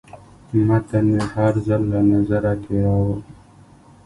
متن مې هر ځل له نظره تېراوه.